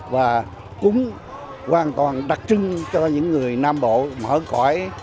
và cũng hoàn toàn đặc trưng cho những người nam bộ mở cõi